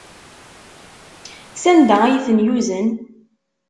Sanda ay ten-yuzen?